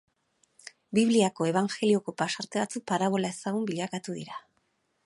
Bibliako, Ebanjelioko pasarte batzuk parabola ezagun bilakatu dira.